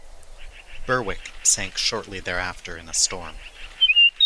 "Berwick" sank shortly thereafter in a storm.